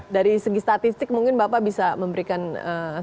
dari segi statistik mungkin bapak bisa memberikan ee